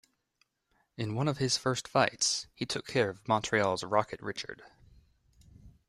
In one of his first fights, he took care of Montreal's Rocket Richard.